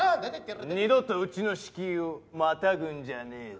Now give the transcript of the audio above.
二度とうちの敷居をまたぐんじゃねえぞ。